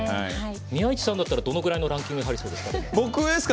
宮市さんだったらどのくらいのランキングに入りそうですか？